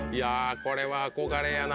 これは憧れやな。